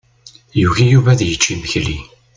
Yugi Yuba ad yečč imekli.